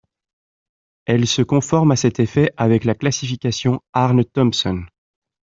Elle se conforme à cet effet avec la classification Aarne-Thompson.